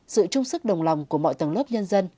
sự trung sức đồng lòng của mọi tầng lớp nhân dân